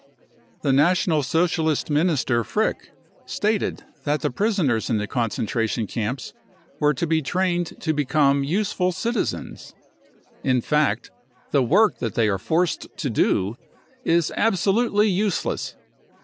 The National Socialist minister Frick stated that the prisoners in the concentration camps were to be trained to become useful citizens. In fact, the work that they are forced to do is absolutely useless.